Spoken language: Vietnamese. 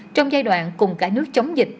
trong giai đoạn cùng cả nước chống dịch